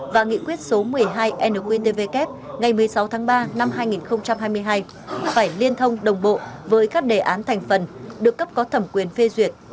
và nghị quyết số một mươi hai nqtvk ngày một mươi sáu tháng ba năm hai nghìn hai mươi hai phải liên thông đồng bộ với các đề án thành phần được cấp có thẩm quyền phê duyệt